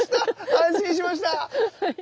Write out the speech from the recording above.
安心しました。